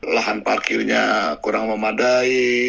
lahan parkirnya kurang memadai